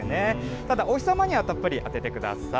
ただ、お日様にはたっぷり当ててください。